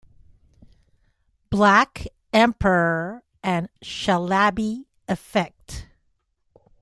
Black Emperor and Shalabi Effect.